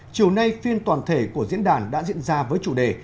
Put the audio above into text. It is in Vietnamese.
chiều nay phiên toàn thể của diễn đàn đã diễn ra với chủ đề